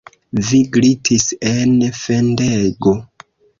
Vi glitis en fendego.